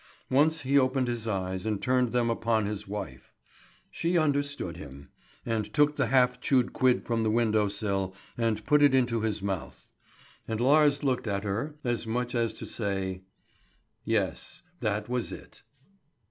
Once he opened his eyes and turned them upon his wife. She understood him, and took the half chewed quid from the window sill and put it into his mouth; and Lars looked at her, as much as to say: "Yes, that was it."